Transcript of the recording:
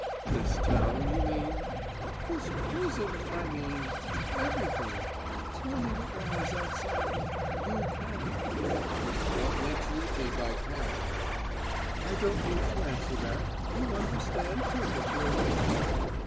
"This town, you mean?" "This prison, I mean! Everything. Tell me what lies outside of it. You can." "What makes you think I can?" "I don't need to answer that. You understand perfectly."